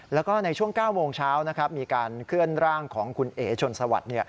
แล้วก็ในช่วง๙โมงเช้ามีการเคลื่อนร่างของคุณเอ๋ชนสวัสดิ์